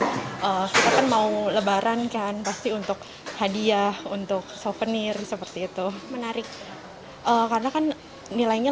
kita kan mau lebaran kan pasti untuk hadiah untuk souvenir seperti itu menarik karena kan nilainya